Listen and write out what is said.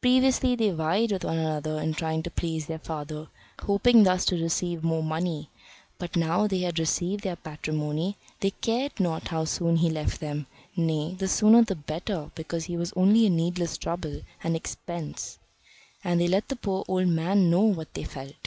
Previously they vied with one another in trying to please their father, hoping thus to receive more money, but now they had received their patrimony, they cared not how soon he left them nay, the sooner the better, because he was only a needless trouble and expense. And they let the poor old man know what they felt.